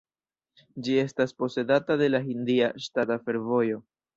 Ĝi estas posedata de la Hindia ŝtata fervojo.